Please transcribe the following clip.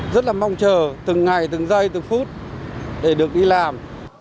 rất là mong chờ từng ngày từng giây từng phút để được đi làm